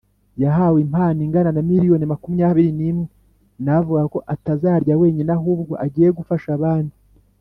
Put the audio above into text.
Yahawe impano ingana na miliyoni makumyabiri n’imwe nawe avuga ko atazayarya wenyine ahubwo agiye gufasha abandi.